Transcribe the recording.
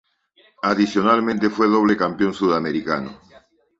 Adicionalmente fue doble campeón sudamericano.